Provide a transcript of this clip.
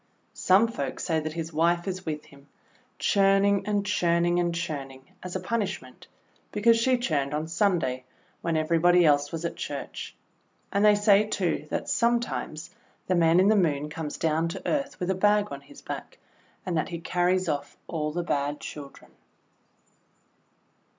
Some folk say that his wife is with him, churning and churning and churning, as a punishment, because she churned on Sunday when everybody else was at Church. And they say, too, that sometimes the Man in the Moon comes down to earth with a bag on his back, and that he carries off all the bad children.